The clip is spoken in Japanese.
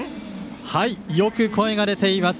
よく声が出ています。